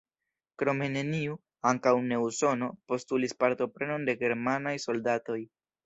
Krome neniu, ankaŭ ne Usono, postulis partoprenon de germanaj soldatoj.